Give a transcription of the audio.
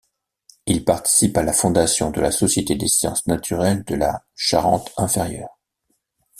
Il participe à la fondation de la Société des sciences naturelles de la Charente-Inférieure.